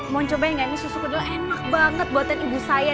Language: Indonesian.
mau cobain nggak ini susu kedelai enak banget buatan ibu saya